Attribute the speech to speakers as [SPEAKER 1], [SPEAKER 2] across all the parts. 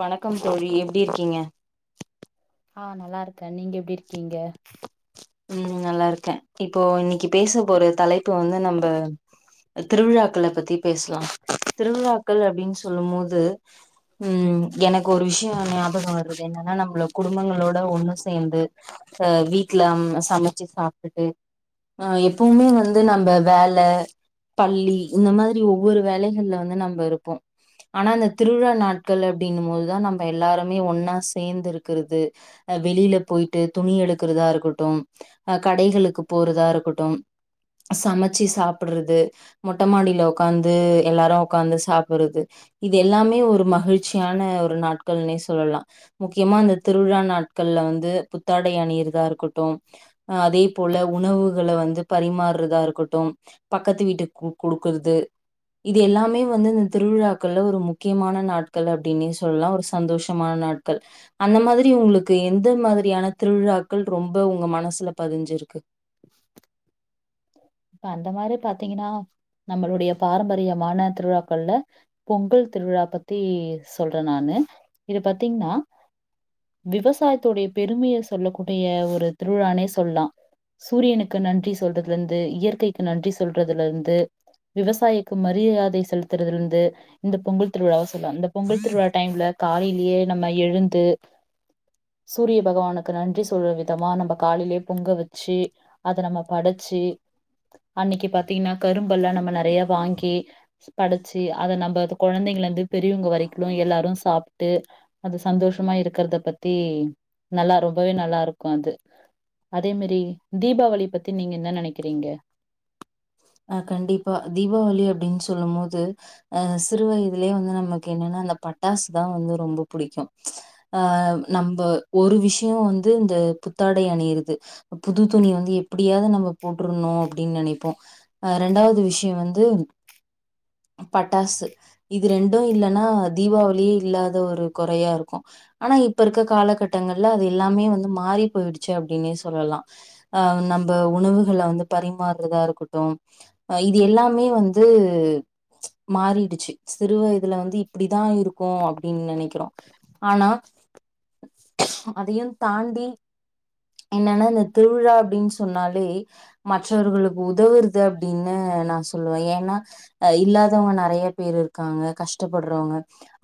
[SPEAKER 1] வணக்கம் தோழி எப்டி இருக்கீங்க
[SPEAKER 2] ஆ நல்லா இருக்கே நீங்க எப்டி இருக்கீங்க
[SPEAKER 1] உம் நல்லா இருக்கே இப்போ இன்னிக்கு பேச போற தலைப்பு வந்து நம்ப திருவிழாக்கள பத்தி பேசலா திருவிழாக்கள் அப்டின் சொல்லும் போது உம் எனக்கு ஒரு விஷ்யோ ஞாபகோ வர்றது என்னன்னா நம்பள குடும்பங்களோட ஒண்ணு சேந்து அ வீட்ல ம் சமைச்சி சாப்டுட்டு அ எப்புவுமே வந்து நம்ப வேல பள்ளி இந்த மாதிரி ஒவ்வொரு வேலைகள்ல வந்து நம்ப இருப்போம் ஆனா அந்த திருவிழா நாட்கள் அப்டின்னும் மோதுதா நம்ப எல்லாருமே ஒன்னா சேந்து இருக்கறது அ வெளில போயிட்டு துணி எடு க்றதா இருக்கட்டும் அஹ் கடைகளுக்கு போறதா இருக்கட்டும் சமைச்சி சாப்பிட்றது மொட்ட மாடியில உக்காந்து எல்லாரு உக்காந்து சாப்பிறது இது எல்லாமே ஒரு மகிழ்ச்சியான ஒரு நாட்கள்னே சொல்லலா முக்கியமா அந்த திருவிழா நாட்கள்ல வந்து புத்தாடை அணியிறதா இருக்கட்டும் அதே போல உணவுகள வந்து பரிமார்றதா இருக்கட்டும் பக்கத்து வீட்டுக்கு குடுக்குறது இது எல்லாமே வந்து இந்த திருவிழா க்கள்ல ஒரு முக்கியமான நாட்கள் அப்டினே சொல்லா ஒரு சந்தோஷமான நாட்கள் அந்த மாதிரி உங்களுக்கு எந்த மாதிரியான திருவிழாக்கள் ரொம்ப உ உங்க மனசுல பதிஞ்சிருக்கு
[SPEAKER 2] இப்ப அந்த மாரி பாத்திங்கனா நம்மளுடைய பாரம்பரியமான திருவிழாக்கள்ல பொங்கல் திருவிழா பத்தி சொல்றே நானு இது பாத்திங்ன்னா விவசாயத்துடைய பெருமைய சொல்ல கூடிய ஒரு திருவிழானே சொல்லா சூரியனுக்கு நன்றி சொல்றத் து வந்து இயற்கைக்கு நன்றி சொல்றதுல இருந்து விவசாயிக்கு மரியாதை செலுத்துறதலிந்து இந்த பொங்கல் திருவிழாவ சொல்லா இந்த பொங்கல் திருவிழா டைம்ல காலைலியே நம்ம எழுந்து சூரிய பகவானுக்கு நன்றி சொல்ற விதமா நம்ப காலையிலயே பொங்க வெச்சி அத நம்ம பட ச்சி அன்னிக்கு பாத்திங்கன்னா கரும்பல்லா நம்ம நெறைய வாங்கி படைச்சி அதை நம்ப கொழந்தைங்கள்லந்து பெரியவங்க வரைக்கிலு எல்லாரு சாப்ட்டு அது சந்தோஷமா இருக்கறத பத்தி நல்லா ரொம்பவே நல்லா இருக்கு அது அதே மேரி தீபாவளி பத்தி நீங்க ன்ன நெனைக்கிறீங்க
[SPEAKER 1] அஹ் கண்டிப்பா தீபாவளி அப்டின் சொல்லும் போது அஹ் சிறு வயதிலயே வந்து நமக்கு என்னன்னா அந்த பட்டாசு தா வந்து ரொம்ப புடிக்கு ப்ச் அஹ் நம்ப ஒரு விஷ்யோ வந்து இந்த புத்தாடை அணியிறது புது துணி வந்து எப்பிடியாவ்து நம்ப போட்ருணு அப்டின் நெனைப்போ அஹ் ரெண்டாவ்து விஷ்யோ வந்து பட்டாசு இது ரெண்டு இல்லன்னா தீபாவளியே இல்லாத ஒரு கொறையா இருக்கு ஆனா இப்ப இருக்க காலகட்டங்கள்ல அது எல்லாமே வந்து மாறி போயிடுச்சு அப்டின்னே சொல்லலா ஆஹ் நம்ப உணவுகள வந்து பரிமார்றதா இருக்கட்டு அ இது எல்லாமே வந்து ப்ச் மாறிடுச்சு சிறுவயதுல வந்து இப்டிதா இருக்கு அப்டின் நெனைக்கிறோ ஆனா அதையு தாண்டி என்னன்னா இந்த திருவிழா அப்டின் சொன்னாலே மற்றவர்களுக்கு உதவுற து அப்டின்னு நா சொல்வே ஏன்னா அ இல்லாதவங்க நறையா பேரு இருக்காங்க கஷ்டப்பட்றவங்க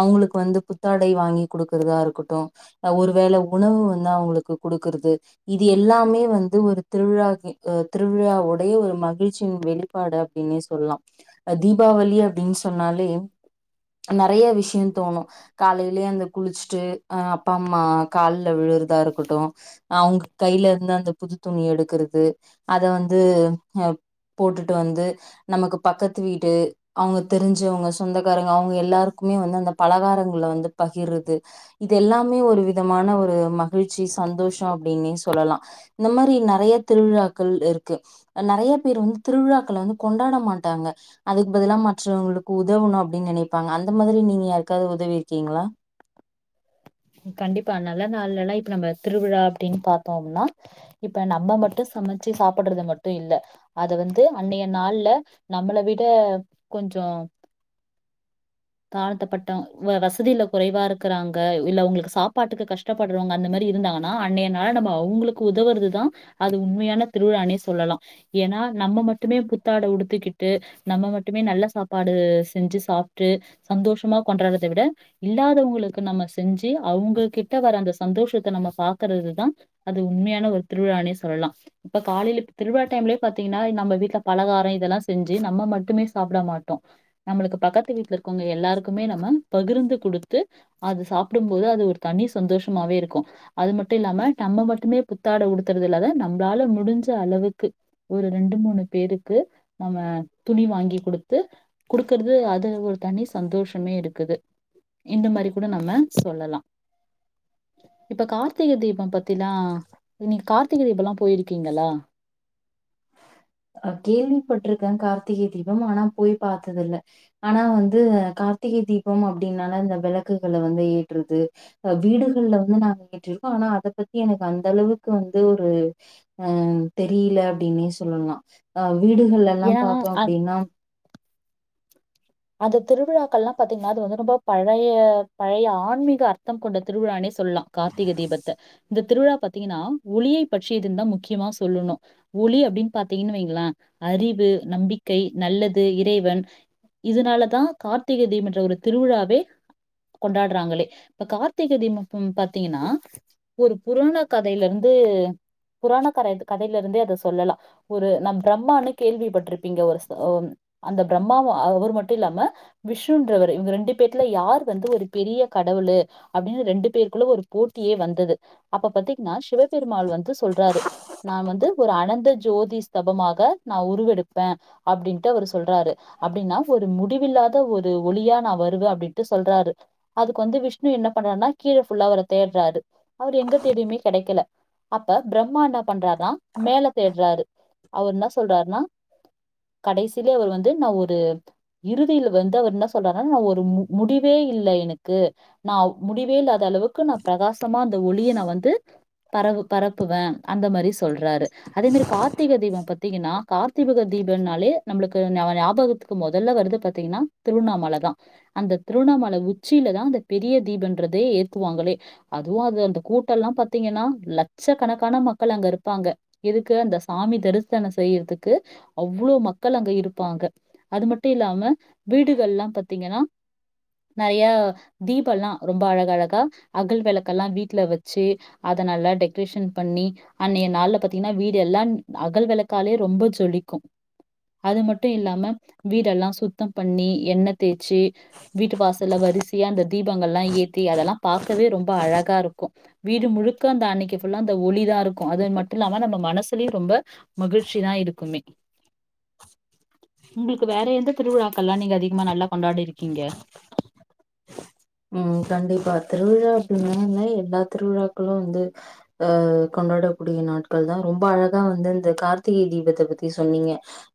[SPEAKER 1] அவுங்களுக்கு வந்து புத்தாடை வாங்கி குடுக்குறதா இருக்கட்டு அ ஒருவேள உணவு வந்து அவுங்களுக்கு குடுக்குறது இது எல்லாமே வந்து ஒரு திருவிழாக்கு அ திருவிழா உடைய ஒரு மகிழ்ச் சின் வெளிப்பாடு அப்டினே சொல்லா தீபாவளி அப்டின் சொன்னாலே ந நறைய விஷ்யந் தோணு காலைலியே எந்து குளிச்சுட்டு அ அப்பா அம்மா கால் ல் விழுறுதா இருக்கட்டு அவுங் கையிலந்து அந்த புது துணி எடுக்கறது அத வந்து அஹ் போட்டுட்டு வந்து நமக்குப் பக்கத்து வீடு அவுங்க தெரிஞ்சவங்க சொந்தக்காரங்க அவுங்க எல்லாருக்குமே வந்து அந்த பலகாரங்கள்ல வந்து பகிர்றது இது எல்லாமே ஒரு விதமான ஒரு மகிழ்ச்சி சந்தோஷோ அப்டின்னே சொல்லலா இந்த மாரி நறைய திருவிழாக்கள் இருக்கு நறைய பேர் வந்து திருவிழாக்கள வந்து கொண்டாட மாட்டாங்க அதுக்கு பதிலா மற்றவங்களுக்கு உதவணு அப்டின் நெனைப்பாங்க அந்த மாதிரி நீங்க யாருக்காவது உதவிருக்கீங்களா
[SPEAKER 2] கண்டிப்பா நல்ல நாள்ல எல்லா இப்ப நம்ப திருவிழா அப்டின் பாத்தோம்னா இப்ப நம்ப மட்டு சமைச்சு சாப்பட்றது மட்டு இல்ல அத வந்து அன்னைய நாள்ல நம்மள விட கொஞ்சோ தாழ்த்தப்பட்ட வசதில குறைவா இருக்கறாங்க இல்ல அவுங்களுக்கு சாப்பாட்டுக்கு கஷ்டப்பட்றவங்க அந்த மேரி இருந்தாங்கன்னா அன்னைய நாள் நம்ப அவுங்களுக்கு உதவறதுதா அது உண்மையான திருவிழானே சொல்லலா ஏனா நம்ம மட்டுமே புத்தாட உடுத்துக்கிட்டு நம்ம மட்டுமே நல்ல சாப்பாடு செஞ்சு சாப்ட்டு சந்தோஷமா கொண்டாட்றத விட இல்லாதவங்களுக்கு நம்ம செஞ்சு அவுங்ககிட்ட வர அந்த சந்தோஷத்த நம்ம பாக்கறதுதா அது உண்மையான ஒரு திருவிழானே சொல்லலா இப்ப காலையில ப்ப திருவிழா டைம்லே பாத்தீங்கனா நம்ம வீட்ல பலகாரோ இதெல்லா செஞ்சு நம்ம மட்டுமே சாப்ட மாட்டோ நம்மளுக்கு பக்கத்து வீட்ல இருக்கவங்க எல்லாருக்குமே நம்ம பகிர்ந்து குடுத்து அது சாப் ப்டும்போது அது ஒரு தனி சந்தோஷமாவே இருக்கு. அது மட்டு இல்லாம நம்ம மட்டுமே புத்தாட உடுத்தறது இல்லாத நம்ப்ளால முடுஞ்ச அளவுக்கு ஒரு ரெண்டு மூணு பேருக்கு நம்ம துணி வாங்கி குடுத்து குடுக்கற்து அது ஒரு தனி சந்தோஷமே இருக்குது. இந்த மாரி கூட நம்ம சொல்லலா. இப்ப கார்த்திக தீபம் பத்தினா நீ கார்த் த்தகிரி இப்பல்லா போய்ருக்கீங்களா?
[SPEAKER 1] அ கேள்விப்பட்டிருக்கே கார்த்திகை தீபம் ஆனா போய் பாத்ததில்ல. ஆனா வந்து கார்த்திகை தீபம் அப்டின்னால இந்த வெளக்குகல வந்து ஏற்றது அ வீடுகள்ல வந்து நாங்க ஏற்றிருக்கோ. ஆனா அத பத்தி எனக்கு அந்த அளவுக்கு வந்து ஒரு அ தெரியில அப்டீனே சொல்லலா. ஆவ் வீடுகள்ல எல்லா
[SPEAKER 2] ஏன்னா,
[SPEAKER 1] பார்த்தோ
[SPEAKER 2] அ
[SPEAKER 1] அப்படினா,
[SPEAKER 2] அந்த திருவிழாக்களெல்லா பாத்தீங்கனா அது வந்து ரொம்போ பழய பழய ஆன்மீக அர்த்தம் கொண்ட திருவிழானே சொல்லலா கார்த்திகை தீபத்த. இந்த திருவிழா பாத்தீங்கன்னா ஒளியை பற்றியதுன்தா முக்கீயமா சொல்லணு. ஒளி அப்படின் பார்த்தீங்கன்னு வைங்களே அறிவு, நம்பிக்கை, நல்லது, இறைவன் இதனாலதா கார்த்திகை தீபன்ற ஒரு திருவிழாவே கொண்டாடுறாங்களே. இப்ப கார்த்திகை தீபம் ம் பாத்தீங்கன்னா ஒரு புராண கதைல இருந்து புராண கரன் கதைல இருந்தே அத சொல்லலா. ஒரு நம் பிரம்மான்னு கேள்விப்பட்ருப்பீங்க, ஒரு ச அ அந்த பிரம்மாவ அவரு மட்டுல்லாம விஷ்ணுன்றவரு இவுங்க ரெண்டு பேத்துல யார் வந்து ஒரு பெரிய கடவுளு அப்படினு ரெண்டு பேருக்குள்ள ஒரு போட்டியே வந்தது. அப்ப பத்தீங்கனா சிவபெருமாள் வந்து சொல்றாரு, நா வந்து ஒரு அனந்த ஜோதி ஸ்தபமாக நா உருவெடுப்ப. அப்டின்ட்டு அவரு சொல்றாரு. அப்டின்னா, ஒரு முடிவில்லாத ஒரு ஒளியா நா வருவே அப்டின்ட்டு சொல்றாரு. அதுக்கு வந்து விஷ்ணு என்ன பண்றார்ன்னா கீழ ஃபுல்லா அவர தேட்றாரு. அவரு எங்க தேடியுமே கெடைக்கல. அப்ப பிரம்மா என்ன பண்றாருனா மேல தேட்றாரு. அவர் என்ன சொல்றார்னா, கடைசில அவரு வந்து நா ஒரு இறுதியில வந்து அவர் என்ன சொல்றார்ன்னா நா ஒரு மு முடிவே இல்ல எனக்கு. நான் முடிவே இல்லா அந்த அளவுக்கு நா பிரகாசமா அந்த ஒளிய நா வந்து பரவு பரப்புவ. அந்த மாரி சொல்றாரு. அதே மாரி கார்த்திகை தீபம் பாத்தீங்கன்னா கார்த்திக தீபம்னாலே நம்ளுக்கு ஞஞாபகத்துக்கு மொதல்ல வந்து பாத்திங்கனா திருவண்ணாமலதா அந்த திருவண்ணாமல உச்சிலதா அந்த பெரிய தீபன்றதே ஏத்துவாங்களே அதுவு அது அந்த கூட்டோல்லா பாத்திங்கன்னா லட்சக்கணக்கான மக்கள் அங்க இருப்பாங்க எதுக்கு அந்த சாமி தரிசனோ செய்யறதுக்கு அவ்ளோ மக்கள் அங்க இருப்பாங்க அது மட்டு இல்லாம வீடுகல்லா பாத்திங்கன்னா நெறையா தீபல்லா ரொம்ப அழகழகா அகல் விளக்கெல்லா வீட்ல வெச்சு அத நல்லா டெக்ரேஷன் பண்ணி அன்னைய நாள்ல பாத்திங்கனா வீடு எல்லான் அகல் விளக்காலே ரொம்பொ ஜொலிக்கு அது மட்டு இல்லாம வீடெல்லா சுத்தம் பண்ணி எண்ணெ தேச்சு வீட்டு வாசல்ல வரிசையா அந்த தீபங்கல்லா ஏத்தி அதெல்லா பாக்கவே ரொம்ப அழகா இருக்கு வீடு முழுக்க அந்த அன்னைக்கு ஃபுல்லா அந்த ஒளிதா இருக்கு அது மட்டு இல்லாம நம்ம மனசுலயு ரொம்ப மகிழ்ச்சிதா இருக்குமே உங்களுக் கு வேற எந்த திருவிழாக்கல்லா நீங்க அதிகமா நல்லா கொண்டாடிருக்கிங்க
[SPEAKER 1] ம் கண்டிப்பா திருவிழா அப்டினாவே எல்லா திருவிழாக்களு வந்து ஆ கொண்டாடக்கூடிய நாட்கள்தா ரொம்ப அழகா வந்து அந்த கார்த்திகை தீபத்த பத்தி சொன்னிங்க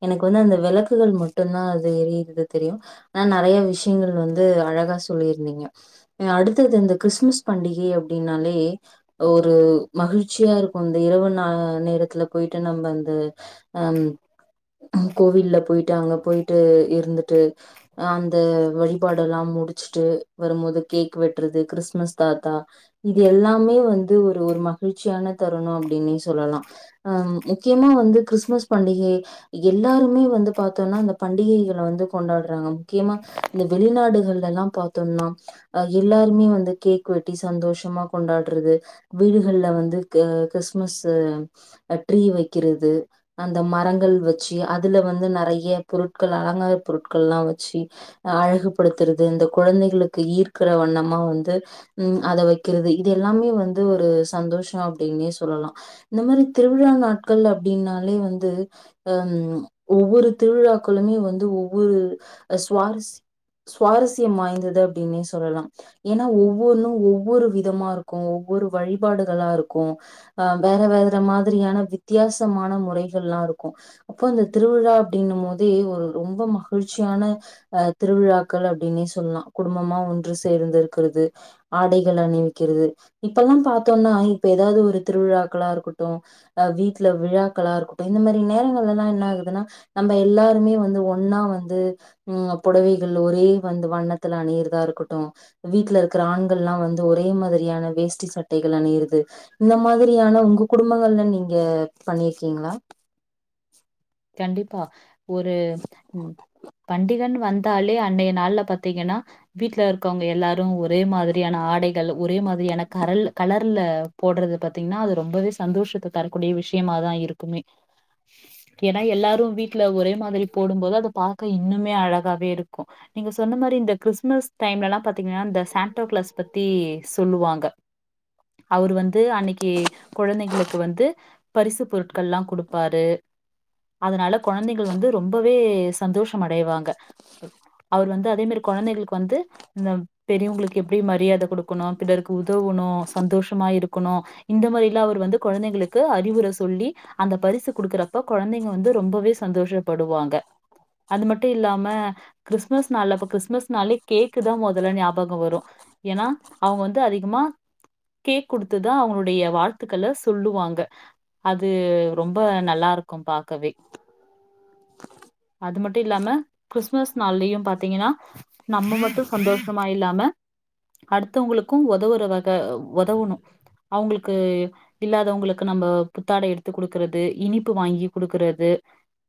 [SPEAKER 1] எனக்கு வந்து அந்த வெளக்குகள் மட்டுந்தா அது எரியறது தெரியு ஆனா நெறைய விஷயங்கள் வந்து அழகா சொல்லிருந்திங்க. அடுத்தது இந்த கிறிஸ்துமஸ் பண்டிகை அப்டின்னாலே ஒரு மகிழ்ச்சியா இருக்கு இந்த இரவு நா நேரத்துல போயிட்டு நம்ம அந்த அ கோவில்ல போயிட்டு அங்க போயிட்டு இருந்துட்டு அந்த வழிபாடெல்லா முடிச்சுட்டு வரும் போது கேக் வெட்றது கிறிஸ்மஸ் தாத்தா இது எல்லாமே வந்து ஒரு ஒரு மகிழ்ச்சியான தருணோ அப்டின்னே சொல்லலா அ முக்கியமா வந்து கிறிஸ்மஸ் பண்டிகை எல்லாருமே வந்து பாத்தோனா இந்த பண்டிகைகள வந்து கொண்டாடறாங்க. முக்கியமா இந்த வெளிநாடுகள்ல எல்லா பாத் தோனா எல்லாருமே வந்து கேக் வெட்டி சந்தோஷமா கொண்டாடறது வீடுகள்ல வந்து அ கிறிஸ்மஸ்ஸு ட்ரீ வெக்கிறது அந்த மரங்கள் வெச்சு அதுல வந்து நெறைய பொருட்கள் அலங்கார பொருட்கள்லா வச்சு அழகுபடுத்துறது இந்த குழந்தைகளுக்கு ஈர்க்கிற வண்ணமா வந்து ம் அத வெக்கிறது இது எல்லாமே வந்து ஒரு சந்தோஷோ அப்டின்னே சொல்லலா இந்தமாரி திருவிழா நாட்கள் அப்டின்னாலே வந்து ஹ்ம் ஒவ்வொரு திருவிழாக்களுமே வந்து ஒவ்வொரு சுவாரஸ் சுவாரஸ் யம் வாய்ந்தது அப்டின்னே சொல்லலா ஏனா ஒவ்வொன்னு ஒவ்வொரு விதமா இருக்கு ஒவ்வொரு வழிபாடுகளா இருக்கு அ வேற வேற மாதிரியான வித்தியாசமான முறைகள்லா இருக்கு அப்போ அந்த திருவிழா அப்டினும்போதே ஒரு ரொம்ப மகிழ்ச்சியான அ திருவிழா க்கள் அப்டின்னே சொ சொல்லா குடும்பமா ஒன்று சேர்ந்து இருக்கறது ஆடைகள் அணிவிக்கிறது இப்பல்லா பாத்தோன்னா இப்ப ஏதாது ஒரு திருவிழாக்களா இருக்கட்டு அ வீட்ல விழாக்களா இருக்கட்டு இந்த மாரி நேரங்கள்ல எல்லா என்ன ஆகுதுனா நம்ம எல்லாருமே வந்து ஒ ன்னா வந்து ம் அ புடவைகள் ஒரே வந்த வண்ணத்துல அணியறதா இருக்கட்டு, வீட்ல இருக்கற ஆண்கள்ல்லா வந்து ஒரே மாதிரியான வேஷ்டி சட்டைகள் அணியறது. இந்த மாதிரியான உங்க குடும்பங்கள்ல நீங்க பண்ணிருக்கீங்களா?
[SPEAKER 2] கண்டிப்பா ஒரு பண்டிகைனு வந்தாலே அன்டைய நாள்ல பாத்தீங்கன்னா வீட்டுல இருக்கவங்க எல்லாரு ஒரே மாதிரியான ஆடைகள் ஒரே மாதிரியான கரல் கலர்ல போட்றது பாத்தீங்கன்னா அது ரொம்பவே சந்தோஷத்த தரக்கூடிய விஷயமாதா இருக்குமே. ஏன்னா எல்லாரு வீட்ல ஒரே மாதிரி போடும் போது அத பாக்க இன்னுமே அழகாவே இருக்கு. நீங்க சொன்ன மாரி இந்த கிறிஸ்மஸ் டைம்லெல்லா பாத்தீங்கன்னா இந்த சான்டோ கிளாஸ் பத்தி சொல்லுவாங்க. அவரு வந்து அன்னைக்கு குழந்தைகளுக்கு வந்து பரிசு பொருட்களெல்லா குடுப்பாரு. அதனால கொழந்தைகள் வந்து ரொம்பவே சந்தோஷம் அடைவாங்க. அவரு வந்து அதே மாரி கொழந்தைங்களுக்கு வந்து இந்த பெரியவங்களுக்கு எப்படி மரியாதை கொடுக்கணு, பிறருக்கு உதவணு, சந்தோஷமா இருக்கணு. இந்த மாரிலா அவர் வந்து கொழந்தைங்களுக்கு அறிவுரை சொல்லி அந்த பரிசு குடுக்கற அப்போ கொழந்தைங்க வந்து ரொம்பவே சந்தோஷப்படுவாங்க. அதுமட்டு இல்லாம கிறிஸ்மஸ் நாள்ள அப்ப கிறிஸ்மஸ் நாளே கேக்குதா மொதல்ல ஞாபகோ வரும் ஏன்னா அவுங்க வந்து அதிகமா கேக் குடுத்துதா அவங்களுடைய வாழ்த்துக்கள சொல்லுவாங்க. அது ரொம்ப நல்லா இருக் க்கு பாக்கவே. அது மட்டும் இல்லாம கிறுஸ்துமஸ் நாள்ளயு பாத்தீங்கன்னா நம்ம மட்டு சந்தோஷமா இல்லாம அடுத்தவங்களுக்கும் ஒதவுற வக ஒதவுணும். அவுங்களுக்கு இல்லாதவங்களுக்கு நம்ம புத்தாடை எடுத்து கொடுக்கறது இனிப் இனிப்பு வாங்கி குடுக்கறது.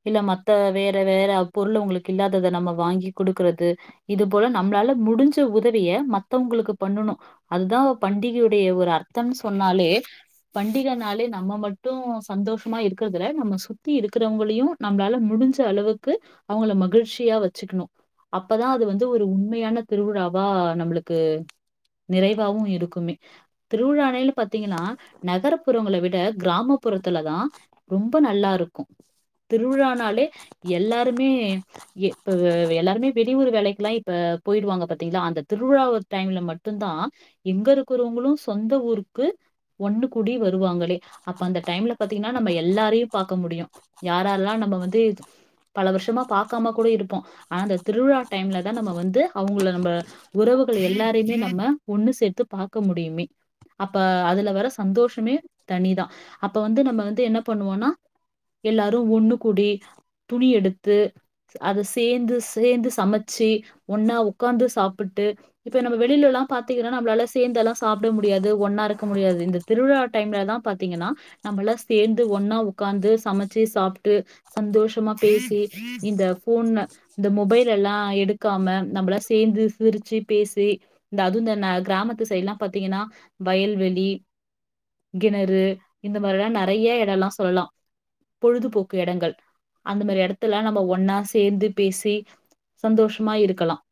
[SPEAKER 2] இல்ல மத்த வேற வேற பொருள்அவங்களுக்கு இல்லாதத நம்ம வாங்கி குடுக்கறது இது போல நம்ளால முடுஞ்ச உதவிய மத்தவங்களுக்கு பண்ணணு. அதுதான் பண்டிகையுடைய ஒரு அர்த்தம்னு சொன்னாலே பண்டிகைனாலே நம்ம மட்டு சந்தோஷமா இருக் இருக்கறதுல நம்ம சுத்தி இருக்கிறவங்களையும் நம்மளால முடிஞ்ச அளவுக்கு அவங்கள மகிழ்ச்சியா வச்சுக்கணும் அப்பதான் அது வந்து ஒரு உண்மையான திருவிழாவா நம்மளுக்கு நிறைவாவும் இருக்குமே திருவிழா பாத்தீங்கன்னா நகர்ப்பு புறவங்களை விட கிராமப்புறத்துல தான் ரொம்ப நல்லா இருக்கும் திருவிழானாலே எல்லாருமே இப்ப எல்லாருமே வெளியூர் வேலைக்கெல்லாம் இப்ப போயிடுவாங்க பார்த்தீங்களா அந்த திருவிழா டைம்ல மட்டும்தான் எங்க இருக்கிறவங்களும் சொந்த ஊருக்கு ஒண்ணு கூடி வருவாங்களே அப்ப அந்த டைம்ல பாத்தீங்கன்னா நம்ம எல்லாரையும் பாக்க முடியும் யாராரெல்லாம் நம்ம வந்து பல வருஷமா பார்க்காம கூட இருப்போம் ஆனா அந்த திருவிழா டைம்ல தான் நம்ம வந்து அவங்கள நம்ம உறவுகள் எல்லாரையுமே நம்ம ஒண்ணு சேர்த்து பார்க்க முடியுமே அப்ப அதுல வர சந்தோஷமே தனிதான் அப்ப வந்து நம்ம வந்து என்ன பண்ணுவோனா எல்லாரும் ஒண்ணு கூடி துணி எடுத்து அதை சேர்ந்து சேந்து சமைச்சு ஒன்னா உ்க்காந்து சாப்பிட்டு இப்ப ந வெளிலாம் நம்மெலா சேந்தெலாம் சாப்பிட முடியாது ஒன்னா இருக்க முடியாது இந்த திருவிழா டைம்ல தா பாத்தீங்கன்னா நம்மெலாம் சேந்து ஒன்னா உட்கார்ந்து சமைச்சு சாப்பிட்டு சந்தோஷமா பேசி இந்த போன் இந்த மொபைல் எல்லாம் எடுக்காம நம்மேலா சேர்ந்து சிரிச்சு பேசி இந்த அது இந்த கிராமத்து சைடு எல்லாம் பாத்தீங்கன்னா வயல்வெளி கிணறு இந்த மாதிரியெலாம் நிறைய இதெல்லாம் சொல்லலாம் பொழுதுபோக்கு இடங்கள் அந்த மாதிரி இடத்தலெல்லாம் நம்ம ஒன்னா சேர்ந்து பேசி சந்தோஷமா இருக்கலாம்